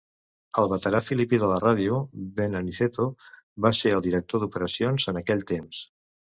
El veterà filipí de la ràdio, Ben Aniceto va ser el director d'operacions en aquell temps.